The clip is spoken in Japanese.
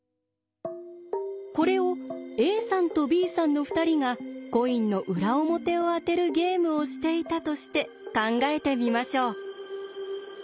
これをＡさんとＢさんの２人がコインの裏表を当てるゲームをしていたとして考えてみましょう。